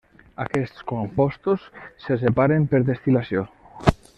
Aquests compostos se separen per destil·lació.